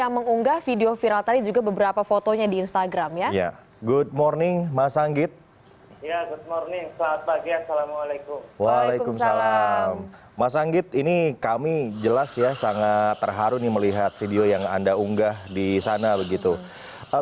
kemudian juga belajar tanpa listrik itu memang keadanya seperti itu ya mas anggit ya